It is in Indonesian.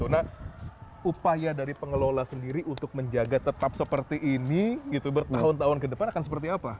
nah upaya dari pengelola sendiri untuk menjaga tetap seperti ini gitu bertahun tahun ke depan akan seperti apa